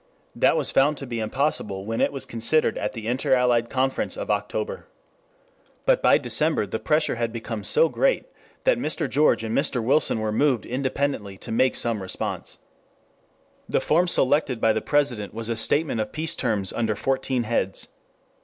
That was found to be impossible when it was considered at the Interallied Conference of October. But by December the pressure had become so great that Mr. George and Mr. Wilson were moved independently to make some response. The form selected by the President was a statement of peace terms under fourteen heads.